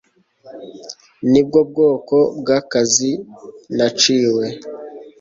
Nibwo bwoko bwakazi naciwe